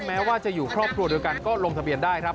แม้ว่าจะอยู่ครอบครัวเดียวกันก็ลงทะเบียนได้ครับ